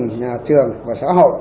các gia đình nhà trường và xã hội